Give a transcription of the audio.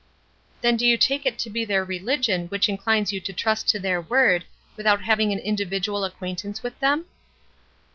"Then do you take it to be their religion which inclines you to trust to their word, without having an individual acquaintance with them?"